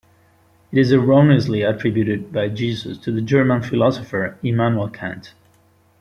It is erroneously attributed by Jesus to the German philosopher Immanuel Kant.